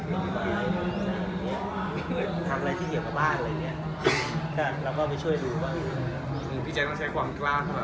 ลูกหลุมของก็มันต้องฆ่านะแต่เขาไปฆ่ามันไม่ได้